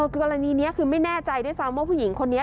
กรณีนี้คือไม่แน่ใจด้วยซ้ำว่าผู้หญิงคนนี้